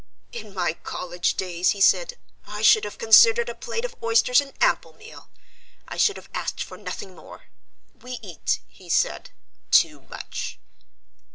"In my college days," he said, "I should have considered a plate of oysters an ample meal. I should have asked for nothing more. We eat," he said, "too much."